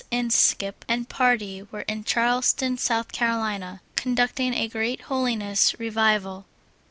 Inskip and part}^ were in Charleston, S. C, conducting a great holiness Re vival.